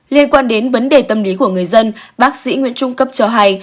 liên quan đến vấn đề tâm lý của người dân bác sĩ nguyễn trung cấp cho hay